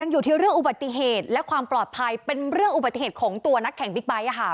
อยู่ที่เรื่องอุบัติเหตุและความปลอดภัยเป็นเรื่องอุบัติเหตุของตัวนักแข่งบิ๊กไบท์